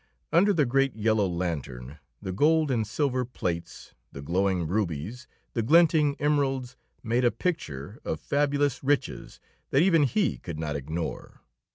Under the great, yellow lantern the gold and silver plates, the glowing rubies, the glinting emeralds, made a picture of fabulous riches that even he could not ignore.